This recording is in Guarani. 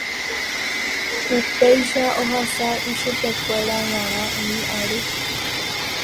Upéicha ohasa ichupekuéra g̃uarã umi ary.